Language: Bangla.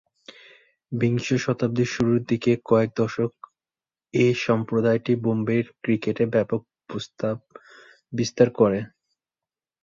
বিংশ শতাব্দীর শুরুরদিকে কয়েক দশক এ সম্প্রদায়টি বোম্বের ক্রিকেটে ব্যাপক প্রভাববিস্তার করে।